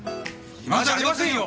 暇じゃありませんよ！